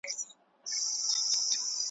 عبدالباري جهاني: رباعیات ,